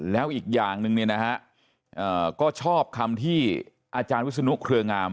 แล้วอีกอย่างนึงนะฮะก็ชอบคำที่อาจารณ์วิศร์ประชุมนุกเผลองาม